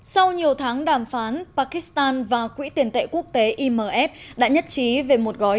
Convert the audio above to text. sau nhiều tháng đàm phán pakistan và quỹ tiền tệ quốc tế imf đã nhất trí về một gói